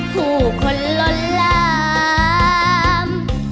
ผู้คนล้นลาม